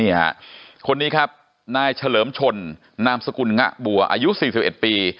นี่ฮะคนนี้ครับนายเฉลิมชนนามสกุลงะบัวอายุสี่สิบเอ็ดปี